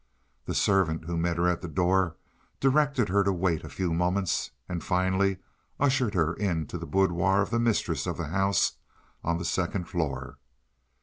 The servant who met her at the door directed her to wait a few moments, and finally ushered her into the boudoir of the mistress of the house on the second floor.